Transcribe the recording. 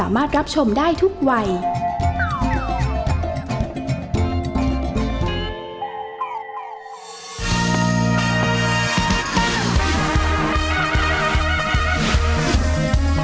แม่บนประจำบอล